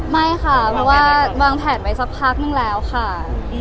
ไม่ค่ะเพราะว่าวางแผนไปสักพักนึงแล้วค่ะ